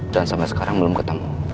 dan sampai sekarang belum ketemu